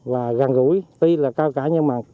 và gần gũi tuy là cao cả nhưng mà